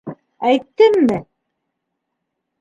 Әйттемме?!